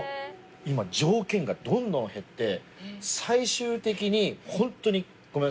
今条件がどんどん減って最終的にホントにごめんなさいね。